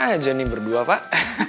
makin akur aja nih berdua pak